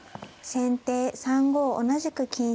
先手３五同じく金直。